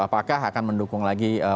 apakah akan mendukung lagi pak jokowi